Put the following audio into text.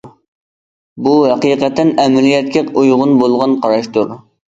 بۇ ھەقىقەتەن ئەمەلىيەتكە ئۇيغۇن بولغان قاراشتۇر.